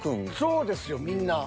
そうですよみんな。